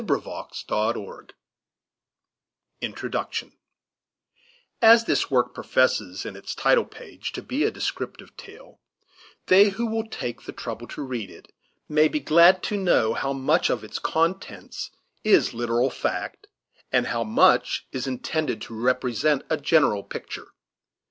Fenimore Cooper INTRODUCTION As this work professes, in its title page, to be a descriptive tale, they who will take the trouble to read it may be glad to know how much of its contents is literal fact, and how much is intended to represent a general picture.